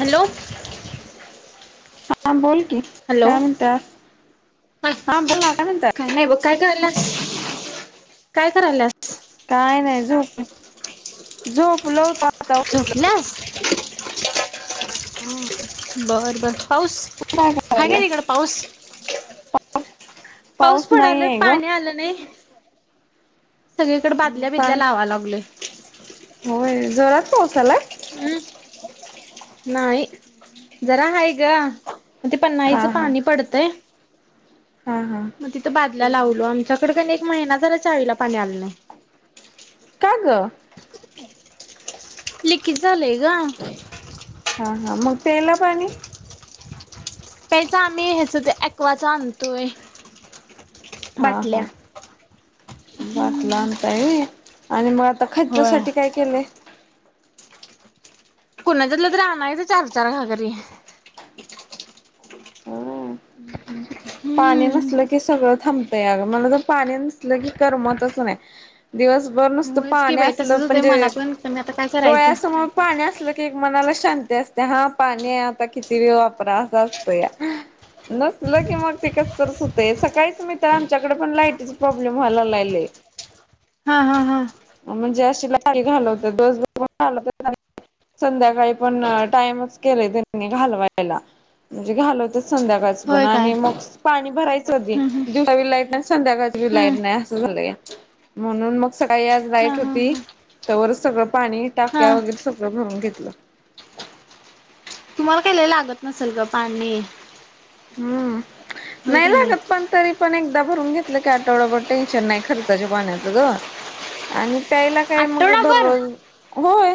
Hello. हा बोल की. हॅलो काय हा म्हणता? हा बोला ना काय म्हणता? नाही बघ काय करायल्यास? काय करायल्यास? काय नाही झोप झोपलो होतो. झोपल्यास? बर बर पाऊस? हाय काय तिकडं पाऊस? पाऊस नाही पडालोय आहे ग पाणी आलं नाही. सगळीकडे बादल्या बिदल्या लावा लागलोय. होय जोरात पाऊस आलाय? हम् नाही जरा हाय ग, मग ते हा पन्नाईचं हा पाणी पडतंय. हा हा. मग तिथं बादल्या लावलो. आमच्याकडं एक महिना झालं चाळीला पाणी आलं नाही. का ग? लिकेज् झालयं ग. हा हा मग प्यायला पाणी? प्यायचं आम्ही ह्याचं ते ॲक्वाचा आणतोय. हा हा बाटल्या बॉटल आणता व्हय? आणि मग आता होय खर्चासाठी काय केलंय? कुणाच्याला तर आणायचं चार चार घाघरी. हो पाणी हम्म नसलं की सगळं थांबतय अगं. मला तर पाणी नसलं की करमतच नाही. दिवसभर नुसतं होयच की पाणी बाई असलं तसच होतंय मला म्हणजे पण पण आता काय करायचं डोळ्यासमोर पाणी असलं की एक मनाला शांती असते, हा पाणी आता किती बी वापरा असं असतया. नसलं की मग ते कसं तरचं होतंय. सकाळीच मी तर आमच्याकडे पण लाईटीचा प्रॉब्लेम व्हायला लागलंय लई. हा हा हा. म्हणजे अशी लाईट घालवतात, दिवसभर पण घालवतात आणि संध्याकाळी पण टाईमच केलाय त्यांनी घालवायला म्हणजे घालवतेच संध्याकाळचं पण होय काय आणि मग पाणी भरायचं कधी हम्म दिवसा पण लाईट संध्याकाळची बी लाईट हम्म नाही असं झालंया. म्हणून मग सकाळी आज हम्म हा लाईट हा होती हा तवरच सगळं पाणी टाक्या हा वगैरे सगळं भरून घेतलं. तुम्हाला काही लई लागत नसलं ग पाणी? हम्म होय नाही की लागत पण तरी पण एकदा भरून घेतलं की, आठवडा भर टेन्शन नाही खर्चाच्या पाण्याचं ग. आणि प्यायला काय मग आठवडाभर दररोज, होय.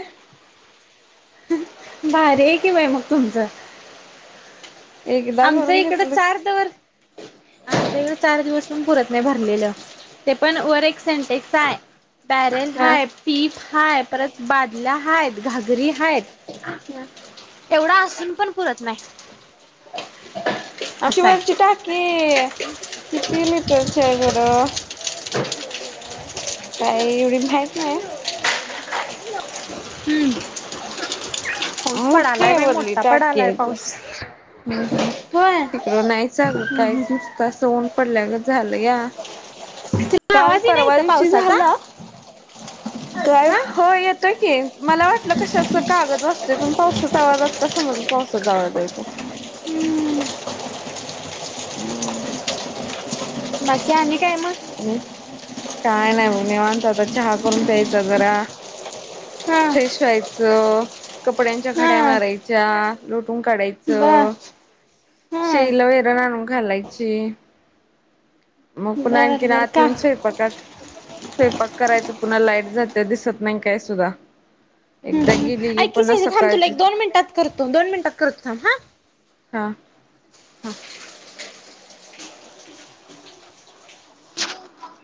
भारीय की बाय मग तुमचं. एकदा आमचं भरून इकडं घेतलं चार आमच्या इकडे चार दिवस पण पुरत नाही भरलेलं, ते पण वर एक सेंटेक्स चाय बॅरेल ह हाय, पीप हाय, परत बादला हायत, घागरी हाय. [unintelligible] एवढ असून पण पुरत नाही. आमची असं वरची आहे टाकी किती लिटरची आहे बरं? काय एवढी माहीत नाही. हम्म पाऊस मोठी पडालाय बाई मोठा पडालाय पाऊस. हम्म होय. तिकडं नाहीच अगं हम्म काहीच नाही हम्म नुस त असं ऊन पडल्यागत झालंया. तुला काल आवाज येईना परवा इथं दिवशी पावसाचा झाला, काय हा हो येतं की मला वाटलं कशाच कागद वाजतोय पण पावसाचा आवाज आता समजलं पावसाचा आवाज आहे तो. [unintelligible] बाकी आणि काय मग? काय नाही बघ निवांत आता चहा करून प्यायचा जरा. हा फ्रेश व्हायचं, कपड्यांच्या हा घड्या मारायच्या. लोटून बर काढायचं. हा शेळीला वैरण आणून घालायची मग पुन्हा बर की नाही बर आत का येऊन हम्म स्वयंपाक स्वयंपाक करायच पुन्हा लाईट जात्या दिसत नाही काय सुद्धा. एकदा हम्म. गेली की ऐक पुन्हा सायली थांब तुला सकाळची एक दोन मिनिटात करतो दोन मिनटात करतो थांब हां. हां. [unintelligible] [unintelligible]